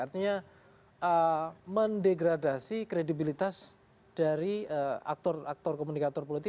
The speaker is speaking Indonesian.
artinya mendegradasi kredibilitas dari aktor aktor komunikator politik